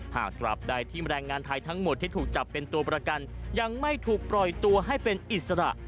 ตราบใดที่แรงงานไทยทั้งหมดที่ถูกจับเป็นตัวประกันยังไม่ถูกปล่อยตัวให้เป็นอิสระ